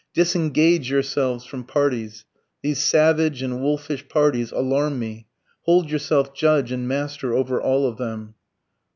"Disengage yourselves from parties.... These savage and wolfish parties alarm me.... Hold yourself judge and master over all of them."